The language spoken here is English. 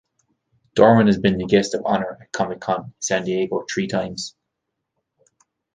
Dorman has been the guest of honor at Comic-Con in San Diego three times.